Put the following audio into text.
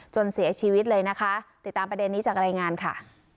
เสียชีวิตเลยนะคะติดตามประเด็นนี้จากรายงานค่ะ